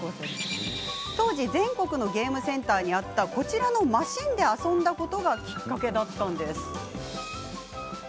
当時、全国のゲームセンターにあったこちらのマシンで遊んだことがきっかけだったんです。